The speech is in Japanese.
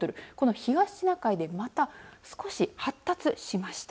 東シナ海でまた少し発達しました。